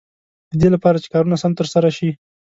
د دې لپاره چې کارونه سم تر سره شي.